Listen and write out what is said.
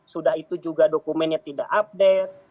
sudah itu juga dokumennya tidak update